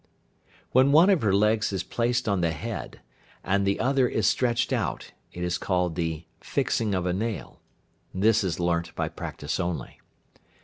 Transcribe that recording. When one of her legs is placed on the head, and the other is stretched out, it is called the "fixing of a nail." This is learnt by practice only.